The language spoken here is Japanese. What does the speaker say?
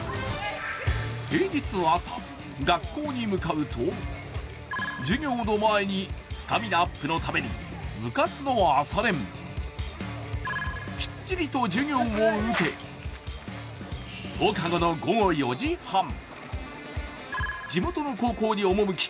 平日朝、学校に向かうと授業の前にスタミナアップのために部活の朝練きっちりと授業を受け、放課後の午後４時半、地元の高校に赴き